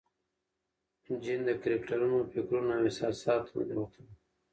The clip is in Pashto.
جین د کرکټرونو فکرونو او احساساتو ته ننوتله.